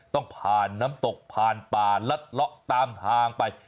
ต้องผ่านน้ำตกผ่านป่าลัดเลาะตามทางไป